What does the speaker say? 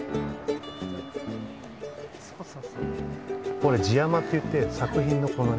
これ地山っていって作品のこのね